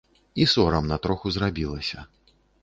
І сорамна троху зрабілася.